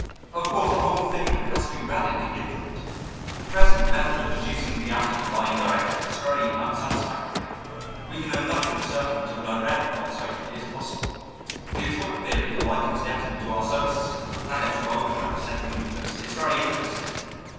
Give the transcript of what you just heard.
Of course the whole thing has to be radically different. The present, method of deducing the atom by indirection is very unsatisfactory. We can know nothing for certain until direct observation is possible. The atomic theory that likens the atom to our solar system, with planets revolving round a central nucleus, is very interesting.